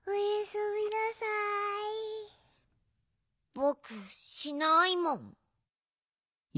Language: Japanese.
ぼくしないもん。